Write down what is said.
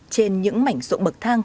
trên những mảnh rộng bậc thang